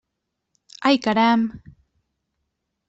Ai, caram!